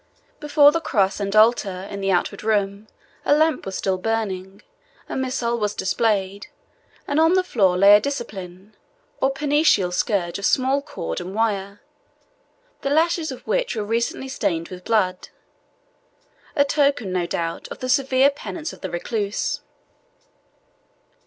Before the cross and altar, in the outward room, a lamp was still burning, a missal was displayed, and on the floor lay a discipline, or penitential scourge of small cord and wire, the lashes of which were recently stained with blood a token, no doubt, of the severe penance of the recluse.